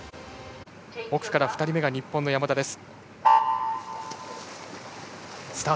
奥から２人目が日本の山田です。